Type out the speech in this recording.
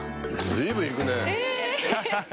随分行くね。